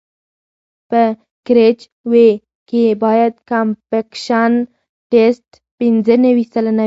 په کیریج وې کې باید کمپکشن ټسټ پینځه نوي سلنه وي